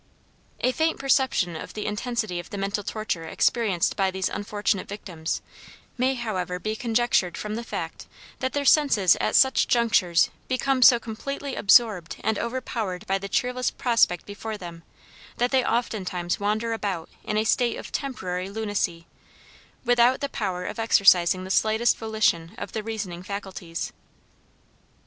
A faint perception of the intensity of the mental torture experienced by these unfortunate victims may, however, be conjectured from the fact that their senses at such junctures become so completely absorbed and overpowered by the cheerless prospect before them, that they oftentimes wander about in a state of temporary lunacy, without the power of exercising the slightest volition of the reasoning faculties.